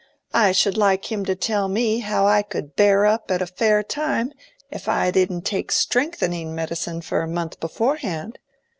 "I should like him to tell me how I could bear up at Fair time, if I didn't take strengthening medicine for a month beforehand.